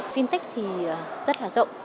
fintech thì rất là rộng